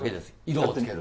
色をつける？